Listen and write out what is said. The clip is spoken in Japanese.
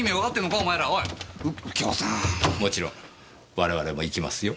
もちろん我々も行きますよ。